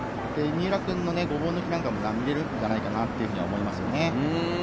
三浦君のごぼう抜きなんかが見れるのではないかと思います。